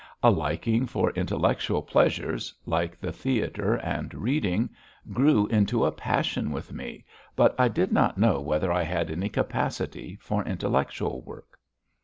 A liking for intellectual pleasures like the theatre and reading grew into a passion with me, but I did not know whether I had any capacity for intellectual work.